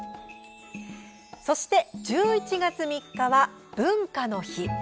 そして、１１月３日は文化の日。